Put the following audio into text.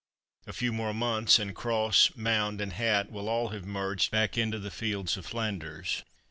A few more months; and cross, mound and hat will all have merged back into the fields of Flanders.